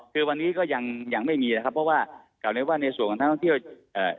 คือวันนี้ก็ยังไม่มีนะครับเพราะว่าในส่วนต้นต้องเที่ยวอ่า